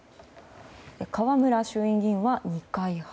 河村衆院議員は二階派。